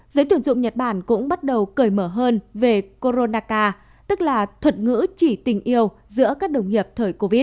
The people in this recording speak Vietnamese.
giới tuyển dụng nhật bản cũng bắt đầu cởi mở hơn về koronaka tức là thuật ngữ chỉ tình yêu giữa các đồng nghiệp thời covid